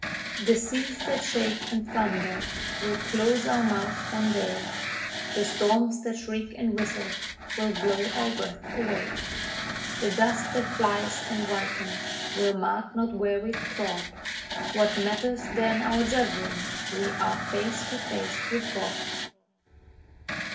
The seas that shake and thunder will close our mouths one day, The storms that shriek and whistle will blow our breaths away. The dust that flies and whitens will mark not where we trod. What matters then our judging? we are face to face with God.